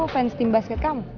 hmm temennya ya